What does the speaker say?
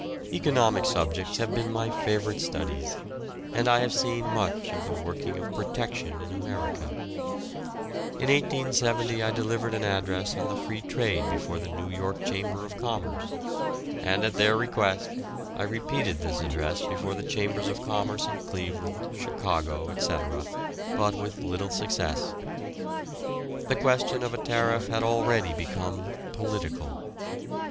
Economic subjects have been my favourite studies, and I have seen much of the working of Protection in America. In 1870 I delivered an address on Free Trade before the New York Chamber of Commerce, and at their request I repeated this address before the Chambers of Commerce in Cleveland, Chicago, etc., but with little success. The question of a Tariff had already become "political."